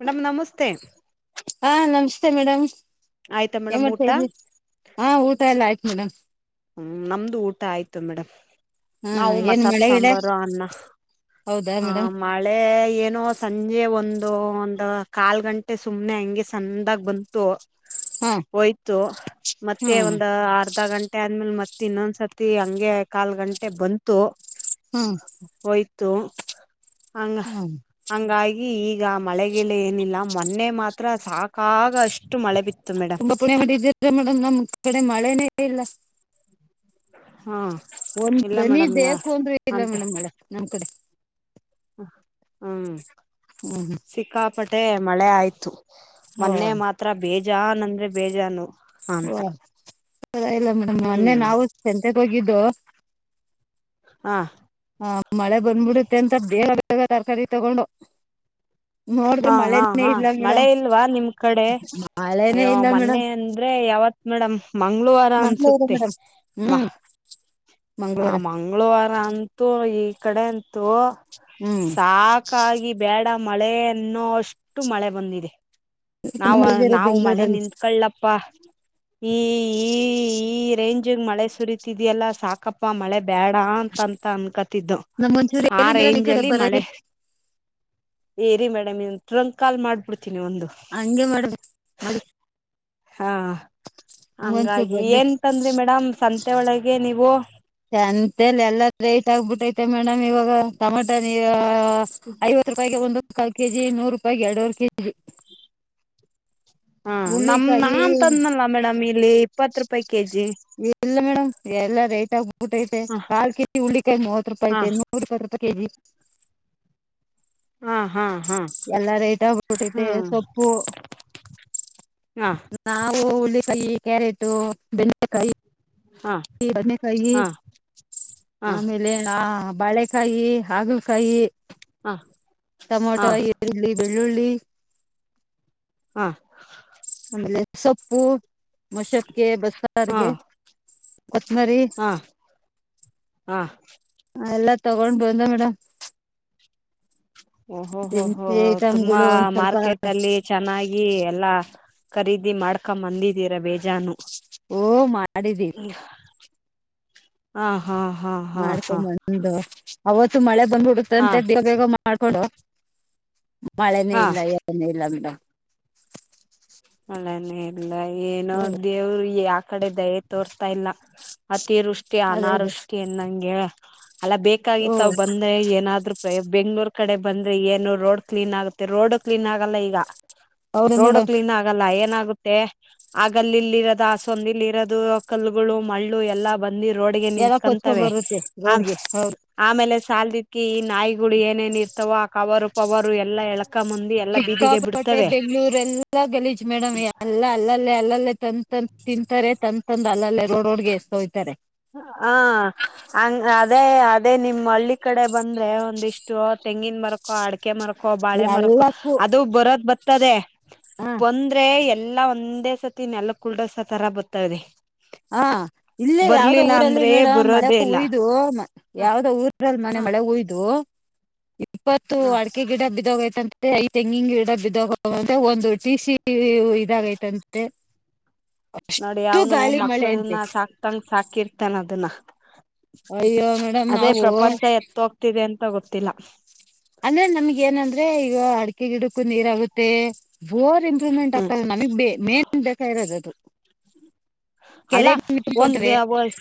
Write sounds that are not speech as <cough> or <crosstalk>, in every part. Madam ನಮಸ್ ತ್ತೆ. ಹಾ ನಮ್ಸ್ತೆ ಮೇಡಮ್. ಆಯ್ತಾ ಏ ಮೇಡಮ್ ಮಾಡ್ತಾ ಊಟ ಇದಿ ಹಾ ಊಟ ಎಲ್ಲ ಆಯ್ ಮೇಡಂ. ಹ್ಮ್ ನಮ್ದು ಊಟ ಆಯ್ತು ಮೇಡಮ್. ಹಾ ನಾವು ಏನ್ ಮಸಾಪ್ ಮಳೆ ಗಿಡ ಸಾಂಬಾರು ಅನ್ನ ಹೌದಾ ಆ ಮೇಡಮ್ ಮಳೆ ಏನು ಸಂಜೆ ಒಂದ್ ದೊ ಒಂದ ಕಾಲ್ ಗಂಟೆ ಸುಮ್ನೆ ಹಂಗೆ ಸಂದಾಗ್ ಬಂತು. ಹಾ ಹೋಯ್ತು ಮತ್ತೆ ಹ್ಮ್ ಒಂದ ಅರ್ಧ ಗಂಟೆ ಟ್ಟೆ ಆದ್ಮೇಲ್ ಮತ್ತ್ ಇನ್ನೊಂದ್ಸರ್ತಿ ಹಂಗೆ ಕಾಲ್ ಗಂಟೆ ಬಂತು. ಹ್ಮ್ ಓಯ್ ತು ಹಂಗ ಹ್ಮ್ ಹಂಗಾಯಿ ಈ ಈಗ ಮಳೆಗಿಳೆ ಏನಿಲ್ಲ ಮೊನ್ನೆ ಮಾತ್ರ ಸಾಕಾಗ ಅಷ್ಟು ಮಳೆ ಬಿತ್ ತುಂಬಾ ಪುಣ್ಯ ಮಾಡ ಇದಿದ್ರೆ ಮೇಡಮ್ ನಮ್ ಕಡೆ ಮಳೆನೇ ಇಲ್ಲ. ಹಾ ಒಂದ್ ಇಲ್ಲ ದನಿ ಮೇಡಮ್ ಯಾ ಬೇಕು ಅಂದ್ರೂ ಇಲ್ಲ ಅಂತ ಮೇಡಂ ಮಳೆ ನಮ್ ಕಡೆ. ಹ್ಮ್ ಹ್ಮ್ ಸಿಕ್ಕ ಪಟ್ಟೆ ಮಳೆ ಆಯ್ತು. ಮೊನ್ನೆ ಹ್ಮ್ ಮಾತ್ರ ಬೇ ಜಾನ್ ಅಂದ್ರೆ ಬೇಜಾನು ಅಂತ ಓಹ್ ಇಲ್ಲ ಇಲ್ಲ ಮೇಡಮ್ ಮೊನ್ನೆ ಹ್ಮ್ ನಾವು <unintelligible> ಗೆ ಹೊಗಿದ್ದೋ ಆ ಹ ಮಳೆ ಬಂದ್ಬಿಡುತ್ತೆ ಅಂತ ಬೇಗ ಬೇಗ ತರಕಾರಿ ತಗೊಂಡು ನೋಡಿದ್ರೆ ಹಾ ಹಾ ಮಳೆನೇ ಹಾ ಇಲ್ಲ ಮಳೆ ಮೇಡಮ್ ಇಲ್ವಾ ನಿಮ್ ಕಡೆ ಮಳೆನೇ ಅಯ್ಯೋ ಇಲ್ಲ ಮೇಡಮ್ ಮೊನ್ನೆ ಅಂದ್ರೆ ಯಾವ ಮೇಡಮ್ ಮಂಗ್ಗಳವಾರ ಮಂಗ್ಳೂರು ಅನ್ಸುತ್ತೆ ಮೇಡಮ್ ಮಾ ಹ್ಮ್ ಹ ಮಂಗ್ಳೂರ ಮಂಗಳವಾರ ಅಂತೂ ಈ ಕಡೆ ಅಂತೂ ಹ್ಮ್ ಸಾಕಾಗಿ ಬ್ಯಾಡಗಿ ಮಳೆ ಇನ್ನೂ ಅಷ್ಟು ಮಳೆ ಬಂದಿದೆ ನಾವವು ನಾವು ಮಳೆ ಬೆಂಗ್ಳೂರಲ್ಲಿ ನಿಂತ್ಕಲಪ್ಪ ಹೇ ಹೇ ಹೆ <unintelligible> ರೇಂಜಗ್ ಮಳೆ ಸುರಿತಿದೆಯಲ್ಲ ಸಾಕಪ್ಪ ಬಾ ಮಳೆ ಬೇಡ ಅಂತಂತ ಅನ್ಕತಿದ್ದು ನಮ್ಮೊಂಚೂರು ಆ ಹೇಳಿ ಮೇಡಮ್ ಈ ರೇಂಜ ಕಡೆ ಅಲ್ಲಿ ಮಳೆ ಬರಗೆ ಏರಿ ಮೇಡಮ್ನ್ ಟ್ರಂಕ್ ಕಾಲ ಮಾಡಬಿಡ್ತ ಅಂಗೇ ಮಾಡ್ಬೇಕ ಮಡಿ ಹಾ ಹಂಗಾಗಿ ಬರ್ಲಿ ಏನ್ಂತಂದ್ರಿ ಮೇಡಮ್ ಸಂತೆ ಒಳಗೆ ನೀವು ಸಂತೇಲಿ ಎಲ್ಲ ಲೇಟ್ ಆಗ್ಬಿಟ್ಟೈತಿ ಮತ್ತೆ ಮೇಡಮ್ ಇವಾಗ ಟಮಾಟ ನೀರ ಐವತ್ತು ರೂಪಾಯಿಗೆ ಒಂದು ಪಾವ್ ಕೆಜಿ ನೂರು ರೂಪಾಯಿಗೆ ಎರಡೂವೆರಿ ಕೆಜಿ ಹಾ ನಮ ಹುಳ್ಳಿಕಾಯಿ ನಾನ್ಂತಂದನಲ್ಲ ಮೇಡಮ್ ಇಲ್ಲಿ ಇಪ್ಪತ್ ರೂಪಾಯಿ ಕೆಜಿ ಇಲ್ಲ ಮೇಡಮ್ ಎಲ್ಲ ರೇಟ್ ಬ ಊಟ ಐತೆ ಹಾ ಕಾಲ್ ಕೆಜಿ ಉುಳ್ಳಿಕಾಯಿ ಮೂವತ್ ರೂಪಾಯ ಐತೆ ಹಾ ನೂರ ಇಪ್ಪ ರೂಪಾಯಿ ಕೆಜಿ ಹಾ ಹಾ ಎಲ್ಲ ರೇಟ್ ಆಗ್ಬಿಟ್ಟೈತೆ ಹಾ ಸೊಪ್ಪು ಹಾ ನಾವು ಹು ಕಾಯಿ ಕ್ಯಾರೆಟು ಬೆಂಡೆಕಾಯಿ ಹಾ ಬದನೆಕಾಯಿ ಹಾ ಆಮೇಲೆ <unintelligible> ಬಾಳೆಕಾಯಿ ಹಾಗಲಕಾಯಿ ಹಾ ಹಾ ಹಾ ಟಮೊಟೊ ಈರುಳ್ಳಿ ಬೆಳ್ಳುಳ್ಳಿ ಈರುಳ್ಳಿ ಹಾ ಆಮೇಲೆ ಸೊಪ್ಪು ಮಶಕ್ ಗೆ ಹಾ ಬಸರ್ಗೆ ಕೊತ್ತಮರಿ ಹಾ ಹಾ ಎಲ್ಲ ತಗೊಂಡ್ ಬಂದ ಮೇಡಮ್ ಓಹೋ ಹೋ ಹೋ ದಿನಸಿ ತುಂಬಾ ಐಟಮ್ಗಳು ಒಂದ್ ಸ್ವಲ್ಪ ಮಾರ್ಕೆಟ್ ಅಲ್ಲಿ ಚೆನ್ನಾಗಿ ಎಲ್ಲಾ ಖರೀದಿ ಮಾಡ್ಕೊ ಬಂದಿದೀರ ಬೇಜಾನು. ಓ ಮಾಡಿದೀವ್. ಹಾ ಹಾ ಹಾ ಹಾ ಹಾ ಮಾಡ್ಕೊಂಬಂದು ಅವತ್ತು ಮಳೆ ಬಂದ್ಬಿಡುತ್ತ ಹಾ ಅಂತ ಬೇ ಬೇಗ ಮಾಡ್ಕೊಂಡು ಮಳೆನೇ ಹಾ ಇಲ್ಲ ಏನು ಇಲ್ಲ ಮೇಡಮ್. ಮಳೆನೇ ಇಲ್ ಇಲ್ಲ ಏನೋ ದೇವ್ರು ಆ ಕಡೆ ದಯೆ ತೋರ್ತಾ ಇಲ್ಲ ಮ ಅತಿವೃಷ್ಟಿ ಅದೇ ಅದೇ ಅನಾವೃಷ್ಟಿ ಅನ್ನಂಗೆ ಅಲ್ಲ ಹ್ಮ್ ಬೇಕಾಗಿತ್ತವ್ ಬಂದ್ರೆ ಏನಾದ್ರು ಪ್ರಯೊ ಬೆಂಗ್ಳೂರ್ ಕಡೆ ಬಂದ್ರೆ ಏನು ರೋಡ್ ಕ್ಲೀನ್ ಆಗುತ್ತೆ ರೋಡು ಕ್ಲೀನ್ ಆಗಲ್ಲ ಈಗ. ಹೌದು ಮೇಡಮ್. ಲಯನ್ ಆಗುತ್ತೆ ಆಗಲ್ಲಿ ಇಲ್ಲಿ ಇರೋದು ಆಸಂದಿಲ್ಲಿ ಇರೋದು ಕಲ್ಲಗಳು ಮಳ್ಳು ಎಲ್ಲ ಬ ಬಂದಿ ರೋಡ್ಗೆ ಎಲ್ಲ ಕೊಚ್ಕೊಂಡ್ ನಿತ್ಕಂತವೆ ಬರುತ್ತೆ ಆ ರೋಡ್ಗೆ ಹೌದು ಆಮೇಲೆ ಸಲ್ದಿಕೆ ಈ ನಾಯಿಗುಳ್ ಏನೇನ್ ಇರ್ತವೋ ಕವರು ಪವರು ಎಲ್ಲಾ ಏಳ್ ಸಿಕ್ಕ ಪಟ್ಟೆ ಬೆಂಗ್ಳೂರ್ ಎಲ್ಲ. ಗಲೀಜ್ ಮೇಡಮ್ ಅಲ್ಲ ಅಲ್ಲೇ ಅಲ್ಲಲ್ಲೇ. ತಂದ್ ತಂದ್ ತಿಂತಾರೆ ತಂದಂದ ಅಲ್ಲಲ್ಲೇ ರೋಡ್ ರೋಡ್ಗೆ ಎಸ್ದೋಯ್ತಾರೆ. ಹ ಹಂಗ್ ಅದೇ ಅದೇ ನಿಮ್ಮ್ ಹಳ್ಳಿ. ಕಡೆ ಬಂದ್ರೆ ಒಂದಿಷ್ಟು. ತೆಂಗಿನ್ ಮರಕೊ ಅಡ್ ಕ್ಕೆ ಮರಕೊ ಬಾಳೆ ಮರಕೊ ಎಲ್ಲಕ್ಕೂ ಅದು ಬರೋದ್ ಬತ್ತದೆ ಹಾ ಬಂದ್ರೆ ಏ ಎಲ್ಲಾ ಒಂದೇ ಸತಿ ನೆಲ್ಲಕ್ ಗುಲ್ಡೊಸತರ ಬತ್ತಾದೆ. ಹಾ ಇಲ್ಲೇ ಯಾವ್ದ ಊರಲ್ಲಿ ಮೇಡಮ್ ಮಳೆ ಬರೋದೇ ಇಲ್ಲ ಉಯ್ದು ಹ ಯಾವ್ದ ಊರಲ್ಲಿ ಮನ್ನೇ ಹ ಮಳೆ ಹುಯ್ದು ಇಪ್ಪತ್ತು ಹ ಅಡಿಕೆ ಗಿಡ ಬಿದ್ದೋಗೈ ಐ ತೆಂಗಿನ್ ಗಿಡ ಬಿದೋಗವಂತೆ ಒಂದು ಟಿ ಸಿ ಇವು ಇದಾಗೈತಂತೆ. ನೋಡಿ ಅಷ್ಟು ಅವ್ನು ಗಾಳಿ ಮ ಮಳೆ ಅಂತೆ ಕ್ಳುನ್ನ ಸಾಕ್ ತಂಗ್ ಸಾಕಿರ್ತಾನ ಅದನ್ನ ಅಯ್ಯೋ ಮೇಡಮ್ ಅದೇ ನಾವು ಪ್ರಪಂಚ ಎತ್ತ ಹೋಗ್ತಿದೆ ಅನ್ ತ ಗೊತ್ತಿಲ್ಲ. ಅಂದ್ರೆ ನಮ್ಗ ಏನಂದ್ರೆ ಈಗ ಅಡಕೆ ಗಿಡಕ್ಕೂ ನೀರ್ ಆಗುತ್ತೆ ಬೋರಿನ್ ಎ್ರಮೆಂಟ್ ಹ್ಮ್ ಆಗ್ತ ನಮಗ್ಗೆ ಮೇನ್ ಬೇಕಾಗಿರೋದು ಅದು. ಅಲ್ಲ ಕೆರೆಗ್ ನೀರ್ ಒಂದ ತುಂಬ್ಕೊಂತವೆ ಎ ಓಯ್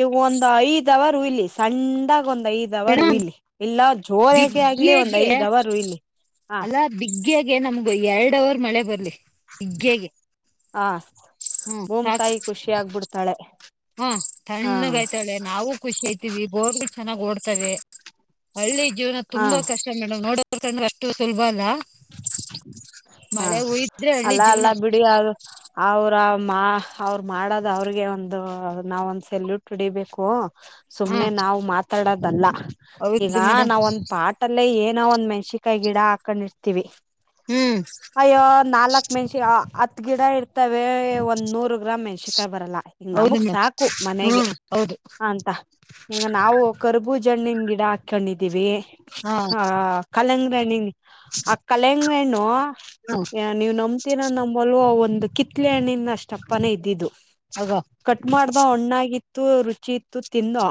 ಈ ಒಂದ್ ಐದ್ ಅವರ್ ರೂ ಇಲ್ಲಿ ಸಣ್ದಾಗ್ ಒಂದ್ ಐದ್ ಅವರ್ ಮೇಡಮ್ ಹುಯ್ಲಿ ಇಲ್ಲ ಜೋರ್ ಆಗೇ ಆಗ್ಲಿ ಒಂದ್ ಬಿಗ್ಗೆಗೆ ಐದ್ ಅವರ್ ಹುಯಿಲಿ ಹ ಅಲ್ಲಾ ಬಿಗ್ಗೆಗೆ ನಮ್ಗ ಎರಡ್ ಅವರ್ ಮಳೆ ಬರ್ಲಿ ಬಿಗ್ಯಾಗೆ ಆ ಹ್ಮ ಸಾಕು ಹ್ಮ ಹಾ ತಣ್ಣಗ ಆಯ್ತಾಳೆ ನಾವು ಖುಷಿ ಅಯ್ತೀವಿ ಬೋರ್ ಚೆನ್ನಾಗ್ ಓಡ್ತವೆ ಹಳ್ಳಿ ಜೀವನ ಹಾ ತುಂಬ ಕಷ್ಟ ಮೇಡ್ ನೋಡವ್ ಕಣ್ಣಿಗ್ ಅಷ್ಟು ಸುಲ್ಭ ಅಲ್ಲ. ಹಾ ಮಳೆ ಹುಯ್ದ್ರೆ ಹಳ್ಳಿ ಅಲ್ಲ ಅಲ್ಲ ಜೀವನ ಬಿಡಿ ಅವ್ ಅವ್ರ ಮಾ ಅವರು ಮಾಡದ ಅವ್ರಿಗೆ ಒಂದು ನಾವ ಒಂದು ಸೆಲ್ಯೂಟ್ ಹೊಡಿಬೇಕು. ಹಾ ಸುಮ್ನೆ ನಾವ್ ಮಾತ್ ತಾಡದಲ್ಲ. ಈಗ ಹೌದು ಮೇಡಮ್ ನಾವೊಂದ್ ಪಾಟಲ್ಲೇ ಏನ್ ನಾವೊಂದ್ ಮೆ ಷಿಕಾಯ್ ಗಿಡ ಹಾಕೊಂಡಿರ್ ಹ್ಮ್ ಅಯ್ಯೋ ನಾಲ್ಕ್ ಮೆಣಷಿ ಹತ್ ಗಿಡ ಇರ್ತವೆ ಒಂದ್ ನೂರು ಗ್ರಾಮ್ ಮೆಣ್ಸಿಕಾಯಿ ಬರಲ್ಲ. ಹೌದು ನಮಗ್ ಮೇಡಮ್ ಸಾಕು ಮನೆಗೆ ಹ್ಮ್ ಹೌದು ಅಂತ ಹಂಗ ನಾವು ಕರ್ಬೂಜಿ ಜಣ್ಣಿನ ಗಿಡ ಹಾಕೊಂಡಿದೀವಿ. ಹಾ ಕಾಕ್. ಕಲಂಗ್ರಿ ಹಣ್ಣಿನ್ ಅ ಕಲಂಗ್ರಿ ಹಣ್ಣು. ಹ್ಮ್ ಏ ನೀವ್ ನಂಬ್ತೀರೊ ನಂಬಲ್ವೋ ಅವತ್ ಒಂದು ಕಿತ್ಲೆಹಣ್ಣಿನ ಅಷ್ಟ್ ದಪ್ಪನೇ ಇದ್ದಿದ್ದು. ಆಗ ಕಟ್ ಮಾಡ್ದ್ ತುಂಬ ಹಣ್ಣಾಗಿತ್ತು ರುಚಿ ಇತ್ತು ತಿಂದ್ವೋ.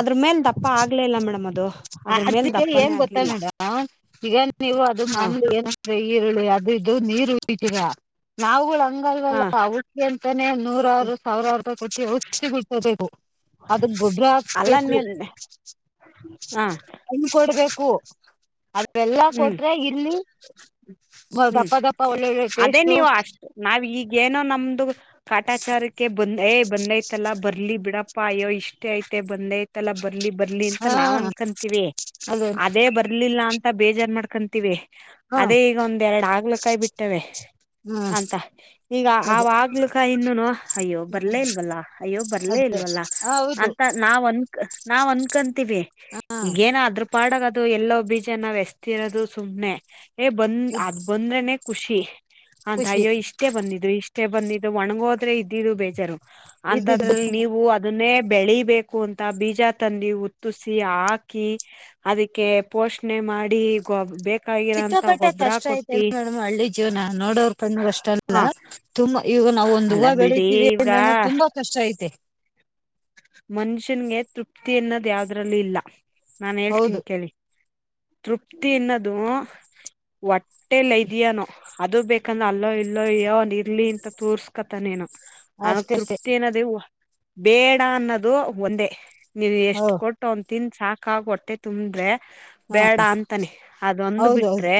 ಅದ್ರು ಮೇಲ್ ದಪ್ ಪ ಆಗ್ಲೇ ಇಲ್ಲ ಮೇಡಮ್ ಅದು. ಅದ್ರ ಅದ್ ಮೇಲ್ ಕೇಳಿ ಏನ್ ದಪ್ಪನೇ ಗೊತ್ತ ಆಗ್ಲಿಲ್ಲ ಮೇಡಮ್ ಈಗ ನೀವು ಅದ್ ಅದು ಹ ಮನ್ ಏನ್ ಅಂದ್ರೆ. ಈರುಳ್ಳಿ ಅದು ಇದು ನೀರ್ ಉಯ್ತೀರ ನಾವ್ಗುಳು ಹಂಗ್ ಹ ನಿಂಗಲ್ವಲ್ಲ ಅವುಕೆನ್. ನೆ ನೂರಾರು ಸಾವ್ರಾರ್ ರೂಪಾಯ್ ಕೊಟ್ಟಿ ಔಷಧಿ ಬಿಡಿಸ್ಕೋಬೇಕು ಅದುಕ್ ಗೊಬ್ಬರ ಅಲ್ಲ ಹಾಕುಸ್ಬೇಕು. ನೀ ಹ ಹಣ್ಣ್ ಕೊಡ್ಬೇಕು. ಎಲ್ಲಾ ಹ್ಮ್ ಕೊಟ್ರೆ ಇಲ್ಲಿ ಹ್ಮ್ ದಪ್ಪ ದಪ್ಪ ಒಳ್ಳೊಳ್ಳೆ ಅದೇ ಟೇಸ್ಟ್. ನೀವು ಅಷ್ಟು ನಾವ್ ಈಗೇನೋ ನಮ್ದು ಕಾಟಾಚಾರಕ್ಕೆ ಬಂದ್ ಏ ಬಂದೈತಲ್ಲ ಬರ್ಲಿ ಬಿಡಪ್ ಪಾಯೋ ಇಷ್ಟೇ ಐತೆ ಬಂದೈತಲ್ಲ ಬರ್ ಬರ್ಲಿ ಬರ್ಲಿ ಅಂತ ಹಾ ನಾವ್ ಅನ್ಕಂತೀವಿ ಅದು ಅದೇ ಬರ್ಲಿಲ್ಲ ಅನ್ ಬೇಜಾರ್ ಮಾಡ್ಕಂತೀವಿ. ಹಾ ಅದೇ ಈಗ ಒಂದ್ ಎರಡ್ ಆಗ್ಲಕಾಯಿ ಬಿಟ್ಟವೆ ಹ್ಮ್ ಅಂತ ಇಗ ಅದೇ ಆವ್ ಆಗ್ಲಕಾಯಿ ಇನ್ನುನೂ ಅಯ್ಯೋ ಬರ್ಲೇ ಇಲ್ವಲ್ಲ ಅಯ್ಯೋ ಬರ್ಲೇ ಅದೇ ಇಲ್ವಲ್ಲ ಹೌದು ಅಂತ ನಾವ್ ಅನ್ಕ್ ನಾವ್ ಅನ್ಕಂತೀವಿ ಹಾ ಇಗೇನೋ ಅದ್ರ ಪಾಡ್ಗ ಟು ಎಲ್ಲೋ ಬೀಜ್ ಈಗ ನಾವ್ ಎಸ್ತಿರೋದು ಸುಮ್ನೆ ಎ ಬಂದ್ ಅದ್ ಬಂದ್ರೆನೇ. ಖುಷಿ ಅಂತ ಖುಷಿ ಅಯ್ಯೋ ಇಷ್ಟೇ ಬಂದಿದ್ದು ಇಷ್ ಬಂದಿದ್ದು ಒಣಗೋದ್ರೆ ಇದ್ದಿದ್ದು ಬೇಜಾರು. ಇದ್ದಿದ್ದು ಅಂತದ್ರಲ್ ನೀವು ಅದುನ್ನೆ ಬೆಳಿಬೇಕು ಅಂತ ಬೀಜ ತಂದಿ ಉತ್ತಿಸಿ ಹಾಕಿ ಅದಕ್ಕೆ ಪೋಶ್ ಮಾಡಿ ಗೊಬ್ ಬೇ ಸಿಕ್ಕಾಪಟ್ಟೆ ಕಷ್ಟ ಐತೆ ಮೇಡಮ್ ಹಳ್ಳಿ ಜೀವ್ನ ನೋಡೋರ್ ಕಣ್ಣಿಗೆ ಅಷ್ಟೇ ಹ ಅಲ್ಲ ತುಂಬಾ. ಈಗ ನಾವ್ ಒಂದ್ ಅಲ್ಲ ಹೂವ ಬಿಡಿ ಬೆಳಿತೀವಿ ಈಗ ಅಂದ್ರೇನೆ ತುಂಬಾ ಕಷ್ಟ ಐತೆ. ಮನ್ಷ್ಯನ್ಗೆ ತೃಪ್ತಿ ಅನ್ನದ್ ದ್ಯವ್ದರಲ್ಲೂ ಇಲ್ಲ. ನಾನ್ ಹೌದು ಹೇಳ್ತೀನ್ ಕೇಳಿ. ತೃಪ್ತಿ ಅನ್ನೋದು ಒ ಟೈಲ್ ಐದ್ಯಾನೋ. ಅದು ಬೇಕಂದ್ರೆ ಅಲ್ಲೋ ಇಲ್ಲೋ ಇಯೋ ಇರ್ಲಿ ಅಂತ ತೋರ್ಸ್ಕತನೇನೊ. ಅನಗ್ ಅಷ್ಟಷ್ಟೇ ತೃಪ್ತಿ ಏನದೇ ವ. ಬೇ ಡ ಅನ್ನೋದು ಒಂದೇ. ನೀನ್ ಹೋ ಎಷ್ಟ್ ಕೊಟ್ ಅವ್ನ್. ತಿಂದ್ ಸಾಕಾಗ್ ಹೊಟ್ಟೆ ತುಂಬ್ದ್ರೆ. ಹಾ ಬೇಡ ಅಂತಾನೆ ಅದೊಂದು ಹೌದು ಹೌದು ಬಿಟ್ರೆ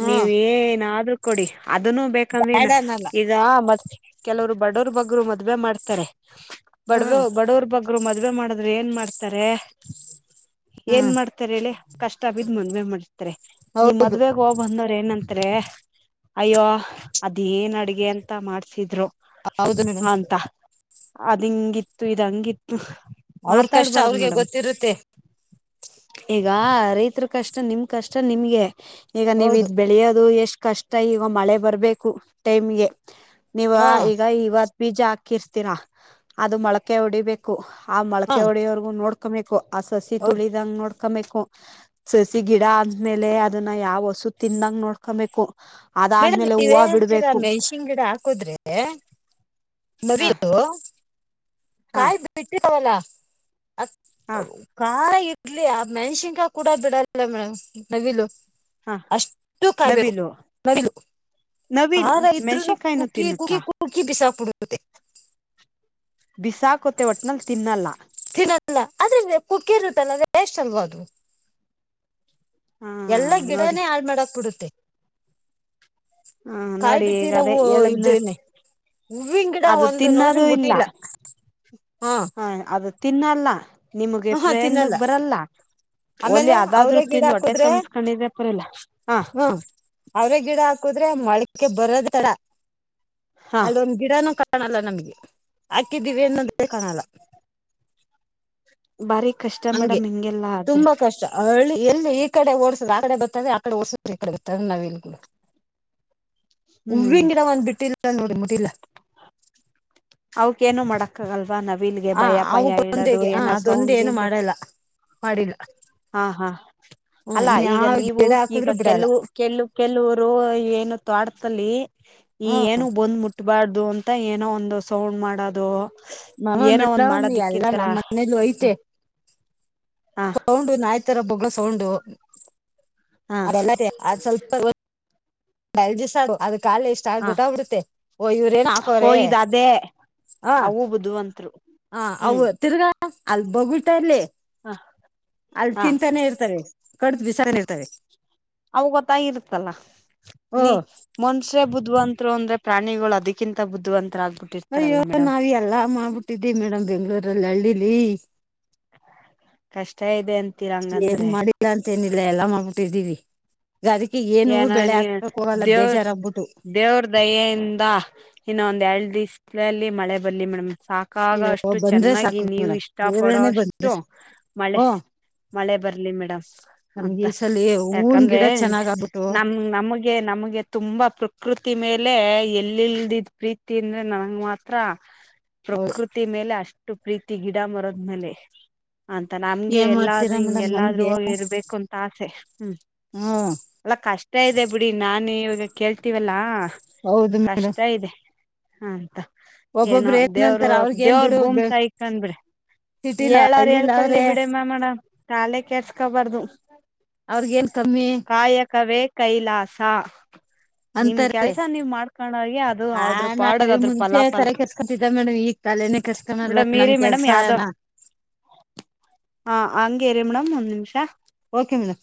ಹಾ ನೀವ್ ಏನಾದ್ರೂ ಕೊಡಿ. ಅದನ್ನು ಬೇಕಂದ್ರೆ ಬ್ಯಾಡ ಇನ್ ಅನ್ನಲ್ಲ ಈಗ ಮತ್ ಕೆಲವರು ಬಡವರ್ ಬಗ್ರು ಮದ್ವೆ ಮಾಡ್ತಾರೆ. ಬಡರ್ ಹ್ಮ್ ಬಡವ್ರ ಬಗ್ರು ಮದ್ವೆ ಮಾಡುದ್ರೆ ಏನ್ ಮಾಡ್ತಾರೆ ಏನ್ ಹ್ಮ್ ಮಾಡ್ತಾರೆ ಹೇಳಿ ಕಷ್ಟ ಬಿದ್ ಮದ್ವೆ ಮಾಡ್ತಾರೆ ಈ ಹೌದು ಮದ್ವೆಗ್ ಹೋಗ್ ಬಂದವ್ರ್ ಏನನ್ ತ್ರೆ ಅಯ್ಯೋ ಅದೇಏನ್ ಅಡ್ಗೆ ಅಂತ ಮಾಡ್ಸಿದ್ರೊ ಹೌದು ಮೇಡಂ ಅ ದಂಗಿತ್ತು ಇದ್ ಹಂಗಿತ್ತು. ಅವ್ರ ಕಷ್ಟ ಮಾತಾಡ್ಬಾರ್ದ್ ಅವ್ರಿಗೆ ಮೇಡಮ್ ಗೊತ್ತಿರುತ್ತೆ. ಈಗ ರೈತರ ಕಷ್ಟ ನಿಮ್ ಕಷ್ಟ ನಿಮಗೆ ಈಗ ನೀವ್ ಹೌದು ಇದ್ ಬೆಳೆಯೋದು ಎಷ್ಟ್ ಕಷ್ಟ ಈಗ ಮಳೆ ಬರ್ಬೇ ಕು ಟೈಮ್ಗೆ ನೀವು ಹಾ ಈಗ ಇವತ್ ಬೀಜ ಹಾಕಿರ್ಸ್ತೀರಾ ಅದು ಮೊಳಕೆ ಓಡಿಬೇಕು. ಆ ಹಾ ಮೋಳಕೆ ಓಡೆಯೋವರೆಗು ನೋಡ್ ಕಂಬೇಕು. ಆ ಸಸಿ ಹೌದು ತುಳಿದಂಗ್ ನೋಡ್ ಕಮ್ಮೆಕು ಸಸಿ ಗಿಡ ಅದ್ಮೇಲೆ ಅದುನ್ನ ಯಾವ್ ಹಸು ತಿಂದಂಗ್ ನೋಡ್ಕೊಬೇಕು. ಮೇಡಮ್ ಅದಾದ್ಮೇಲೆ ಹೂವ ನೀವೇಂತೀರ ಬಿಡ್ಬೇಕು ಮೆಣ್ಸಿನ್ ಗಿಡ ಹಾಕದ್ರೆ <unintelligible> ಹ ನವಿಲು. ಹ ಕಾಯ್ ಬಿಟ್ಟಿ <unintelligible> ವಲ್ಲ. ಅಕ್ ಹ ಉ ಕಾಯಿ. ಇಲ್ಲಿ ಆ ಮೆನ್ಸಿನ್ಕಾಯ್ ಕೂಡ ಬಿಡಲ್ಲ ಮೇಡಮ್ ನವಿಲು. ಹ ಅಷ್ಟು ಕಾಯ್ಬೇಕು ನವಿಲು ನವಿಲು ನವಿಲ್ ಆರ ಇದ್ರುನು ಮೆಣ್ಸಿನ್ಕಾಯಿನು ಕುಕಿ ಕು ತಿನ್ನುತ್ತಾ ಕುಕಿ ಬಿಸಾಕ್ಬುಡು ಮತ್ತೆ. ಬಿಸಾಕೊತೆ ಒಟ್ನಲ್ ತಿನ್ನಲ್ಲ. ಲ್ಲ ಅದ್ರ ಪುಕ್ಕಿರುತ್ತಲ್ಲ <unintelligible> ರೆಷ್ಟ್ ಅಲ್ವಾ ಅದು. ಹ ಎಲ್ಲಾ ನೋಡಿ ಗಿಡನೇ ಹಾಳ್ ಮಾಡಕ್ ಬಿಡುತ್ತೆ. ಹಾ ಕಾಯ್ ನೋಡಿ ಈಗ ಬಿಟ್ಟೀರ ಅದೇ ಹೂ ಹೇಳದ್ನ ಇದೇನೆ ಹೂವಿನ್ ಗಿಡ ಅದು ಒಂದು ನೋಡ್ರಿ ತಿನ್ನೋದು ಇಲ್ಲ ಮುಟ್ಟಿಲ್ಲ ಹು. ಹ ಅದು ತಿನ್ನಲ್ಲ. ನಿಮ್ಗೆ ಪ್ರೆ ಅನ್ನಕ್ ಬರಲ್ಲ ಒಲಿ ಆಮೇಲೆ ಅದಾದ್ರು ಅವ್ರೆ ಗಿಡ ತಿಂದ್ ಹೊಟ್ಟೆ ಹಾಕುದ್ರೆ ತಂಬ್ಸ್ಕೊಂಡಿದ್ರೆ ಪರಿಲ್ಲ ಹ. ಆದ್ರೆ ಮಳಕ್ಕೆ ಬರೋದ್ ತಡ ಹಾ ಅದೊಂದ್ ಗಿಡನೂ ಕಟ್ ಕಾಣಲ್ಲ ನಮ್ಗೆ ಹಾಕಿದ್ದೀವಿ ಅನ್ನದೆ ಕಾಣಲ್ಲ. <inaudible> ಕಷ್ಟ ಹಂಗೆ ಮೇಡಮ್ ಹಿಂಗೆಲ್ಲಾ ಆದ್ರೆ ತುಂಬಾ ಕಷ್ಟ ಹಳ್ಳಿ ಎಲ್ಲಿ ಈ ಕಡೆ ಓಡ್ಸುದ್ರ ಕಡೆ ಬತದೆ ಅಕಡೆ ಓಡ್ ಸುದ್ರೆ ಇಕಡೆ ಬತದೆ ನಾವೀಲ್ <unintelligible> ಹ್ಮ್ ಹೂವಿನ ಗಿಡ ಒಂದ್ ಬಿಟ್ಟಿಲ್ಲ ನೋಡಿ ಮುಟ್ಟಿಲ್ಲ. ಅವಕ್ ಏನು ಮಾಡಕ್ಕ ಆಗಲ್ ನವಿಲ್ಲಿಗೆ ಆ ಭಯ ಭಯ ಇಡೊದು ಅವಕ್ಕೊಂದೇಗೆ ಹಾ ಏನ ಸೌಂಡ್ ಅದೊಂದು ಏನು ಗಿಂಡ್ ಮಾಡಲ್ಲ ಮಾಡಿಲ್ಲ ಹ ಹಾ ಹ್ಮ್ ಅಲ್ಲ ಈಗ ಇನ್ಯಾವ ನೀವು ಗಿಡ ಈಗ ಹಾಕಿದ್ರು ಬಿಡಲ್ಲ ಕೆಲವ್ ಕೆಲ್ ಕೆಲವರು ಏನು ತ್ವಾಟ್ದಲ್ಲಿ ಈ ಏನು ಹ್ಮ್ ಬಂದ್ ಮುಟ್ಟು ಬಾರ್ದು ಅಂತ ಏನೋ ಒಂದುಸ್ ಸೌಂಡ್ ಮಾಡೋದು. ನ ಒಂದ್ ಮೇಡಂ ಎಲ್ಲ ನಮ್ ಮನೇಲು ಮಾಡೋದಿಕ್ಕಿರ್ತಾರ ಐತೆ. ಹ ಸೌಂಡು ನಾಯ್ ತರ ಬೊಗ್ಳೋ ಸೌಂಡು. <unintelligible> ಆದ್ ಸ್ವಲ್ಪ <unintelligible> ಬೆಲ್ಜಿಸಡು ಅದಕ್ ಕಾಲ ಇಷ್ಟ ಆ ಹ ಗೊತ್ತ ಬಿಡುತ್ತೆ ಓ ಇವ್ರೇನ್ ಓ ಹಾಕೋರೆ ಇದ ಅದೇ ಹ ಅವು ಬುದ್ಧಿವಂತರು ಹ ಅವು ಹ್ಮ್ ತಿರ್ಗಾ ಅಲ್ ಬೊಗುಳ್ತಾ ಇರ್ಲಿ. ಅಲ್ ಹ ತಿಂತಾನೆ ಇರ್ತವೆ. ಕಡ್ದ ಬಿಸಾನ್ ಇರ್ತವೆ ಅವ ಗೊತ್ತಾಗ್ ಇರುತ್ತಲ್ಲ. ಓ ನೀ ಮನ್ಶ್ರೇ ಬುದ್ವನ್ ತ್ರು ಅಂದ್ರೆ ಪ್ರಾಣಿಗಳು ಅದಕ್ಕಿಂತ ಬುದ್ಧವಂತ್ರ್ ಅಗ್ ಅಯ್ಯೋ ನಾವ ಎಲ್ಲಾ ಮಾಡ್ಬಿಟ್ಟಿದ್ದೆ ಮೇಡಮ್ ಬೆಂಗ್ಳೂರ್ ಲ್ ಹಳ್ಳಿಲಿ. ಕಷ್ಟ ಇದೆ ಅನ್ ಏನು ಮಾಡಿಲ್ಲ ಅನ್ ಮತ್ತೇನಿಲ್ಲ ಎಲ್ಲಾ ಮಾಡ್ಬಿಟ್ಟಿದ್ದೀವಿ. ಏನೋ ನೀ ದೇವ್ರ ಬೇಜಾರಾಗ್ಬಿಟ್ಟು ದೇವ್ರ ದಯೆಯಿಂದ ಇನ್ನ ಒಂದ್ ಎರಡು ದಿವ್ಸ್ ಅಲ್ಲಿ ಮಳೆ ಬರ್ಲಿ ಮೇಡಮ್. ಸಾಕಾಗ ಅಯ್ಯೋ ಅಷ್ಟು ಬಂದ್ರೆ ಚೆನ್ನಾಗಿ ಸಾಕು ನೀವು ಮೇಡಮ್ ಇಷ್ಟ ಪಡೋ ಬೇರೆನೆ ಅಷ್ಟು ಬಂದ್ರೆ ಮಳೆ ಓ ಮಳೆ ಬರ್ಲಿ ಮೇಡಮ್ ನಮ್ಗೆ ಅಂತ ಈ ಸಲ ಹೂವಿನ ಯಾಕಂದ್ರೆ ಗಿಡ ಚೆನ್ನಾಗ್ ಆಗ್ಬಿಟ್ಟು ನಮ ನಮಗೆ ನಮಗೆ ತುಂಬಾ ಪ್ರೃ ಪ್ರಕೃತಿ ಮೇಲೆ ಎಲ್ಲಿಲ್ದಿದ ಪ್ರೀತಿ ಅಂದ್ರೆ ನನ್ಂಗ ಮಾತ್ರ ಹೌದು ಪ್ರಕೃತಿ ಮೇಲೆ ಅಷ್ಟ ಟ್ಟು ಪ್ರೀತಿ ಗಿಡ ಮರದ ಮೇಲೆ ಅಂತ ನಮ್ಗೆ ಏನ್ ಎಲ್ಲಾದ್ೂ ಮಾಡ್ತೀರಾ ಮೇಡಮ್ ಹಿಂಗೆಲ್ಲಾದ್ೂ ನಮ್ಗೆ ಹಿ ಇರ್ಬೇಕು ಅಂತ ಆಸೆ ಹ್ಮ್ ಹ್ಮ್ ಕಷ್ಟ ಇದೆ ಬಿಡಿ ನಾನ ಇವಾಗ ಕೇಳ್ತೀವಲ್ಲಾ ಹೌದು ಮೇಡ ಹಂತ ಏನೋ ದೇವರು ಅವ್ರಿಗೇನ್ ದೇವ್ರ ಬಿಡು ಬೂಮ ತಾಯಕೊಂಡ್ ಬಿಿಡ ಸಿಟಿಲ ಹೇಳಏಾರ ಹಳ್ಳಿಲ ಹೇಳ್ಕಳ್ಿ ಅವ್ರೆ ಬಿಡಮ್ಮ ಮಾಡಡ ತಾಲೆ ಕೆಸ್ಕೊಬಾರ್ದು <unintelligible> ಅವ್ರಗಏನ್ ಕಮ್ಮಿ ಕವೆ ಕೈಲಾಸ ನಿಮ್ ಅಂತಾರ ಕೆಲ್ಸ ನೀವ್ ಮಾಡ್ಕೊಂಡೋಗಿ ಅದು ಹಾ ಅದ್ರ ಪಾಡಗ್ ನಾವೇ ಅದ್ರ ಮುಂಚೆ ಫಲಾಫಲ ತರ ಕಸ್ಕೊತಿದ್ದೇ ಮೇಡಮ್ ಈಗ ತಾಲನ ಕಸ್ಕಲ್ಲ ಮೇಡಮ್ ನಮ ಇರಿ ಮೇಡಮ್ ಕೆಲ್ಸ ಯಾವ್ದೋ ನ ಹ ಹಂಗೇರಿ ಮೇಡಮ್ ಒಂದ್ ನಿಮಿಷ ಓಕೆ ಮೇಡಮ್